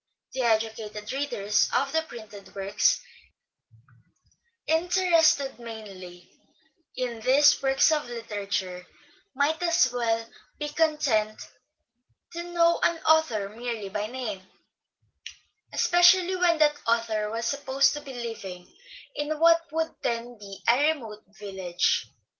The educated readers of the printed works, interested mainly in these works as literature, might well be content to know an author merely by name, especially when that author was supposed to be living in what would then be a remote village.